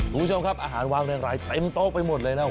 ผู้ชมครับอาหารวางแรงเต็มโต๊ะไปหมดเลยแล้ว